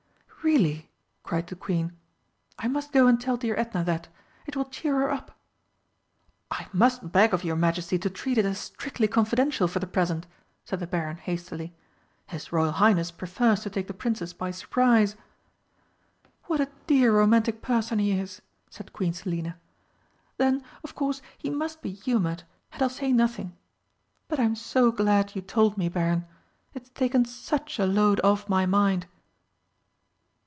"Really?" cried the Queen. "I must go and tell dear Edna that. It will cheer her up." "I must beg of your Majesty to treat it as strictly confidential for the present," said the Baron hastily. "His Royal Highness prefers to take the Princess by surprise." "What a dear romantic person he is!" said Queen Selina. "Then, of course, he must be humoured and I'll say nothing. But I'm so glad you told me, Baron. It's taken such a load off my mind!"